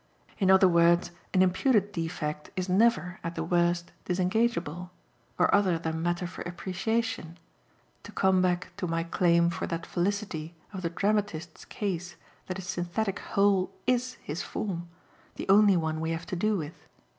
In other words an imputed defect is never, at the worst, disengageable, or other than matter for appreciation to come back to my claim for that felicity of the dramatist's case that his synthetic "whole" IS his form, the only one we have to do with.